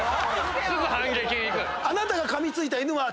すぐ反撃にいく！